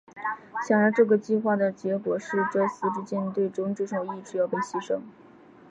显然这个计划的结果是这四支舰队中至少一支要被牺牲。